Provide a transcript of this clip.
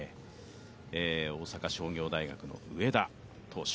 大阪商業大学の上田投手。